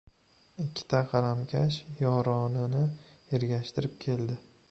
Ikkita qalamkash yoronini ergashtirib keldi.